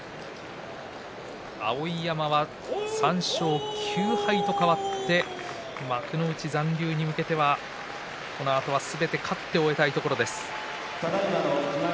碧山は３勝９敗と変わって幕内残留に向けてはこのあと、すべて勝っておきたいところです。